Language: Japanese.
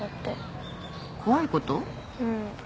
うん。